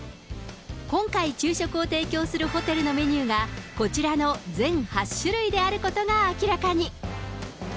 今回、昼食を提供するホテルのメニューが、こちらの全８種類であることが明らかに。